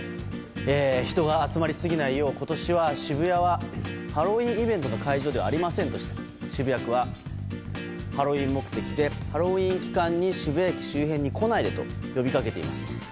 人が集まりすぎないよう今年は渋谷はハロウィーンイベントの会場ではありませんとして渋谷区は、ハロウィーン目的でハロウィーン期間に渋谷駅周辺に来ないでと呼びかけています。